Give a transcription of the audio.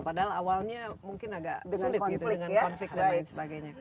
padahal awalnya mungkin agak sulit gitu dengan konflik dan lain sebagainya